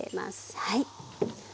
はい。